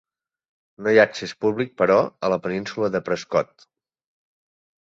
No hi ha accés públic, però, a la península de Prescott.